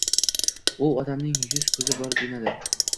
U odamning yuz-ko‘zi bor demaydi